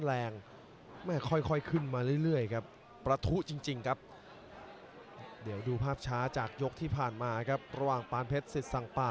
อ้าวถึงเนื้อมันขวาเลยครับตะพาวทองกระวังเกลวได้